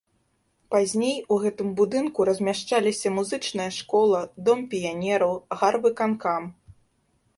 Пазней у гэтым будынку размяшчаліся музычная школа, дом піянераў, гарвыканкам.